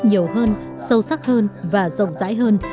nhiều hơn sâu sắc hơn và rộng rãi hơn